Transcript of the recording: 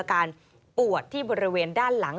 อาการปวดที่บริเวณด้านหลัง